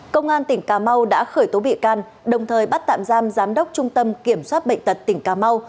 công an tỉnh cà mau đã khởi tố bị can đồng thời bắt tạm giam giám đốc trung tâm kiểm soát bệnh tật tỉnh cà mau